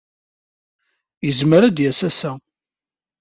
Yezmer ad d-yas ass-a.